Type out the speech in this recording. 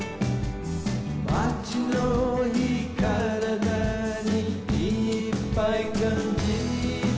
「街の灯からだにいっぱい感じて」